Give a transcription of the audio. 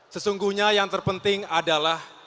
sesungguhnya yang terpenting adalah